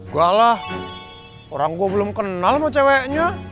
gak lah orang gue belum kenal sama ceweknya